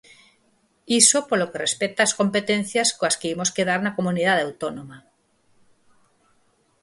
Iso polo que respecta ás competencias coas que imos quedar na comunidade autónoma.